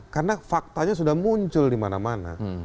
karena faktanya sudah muncul dimana mana